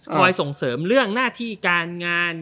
ส่งเสริมเรื่องหน้าที่การงาน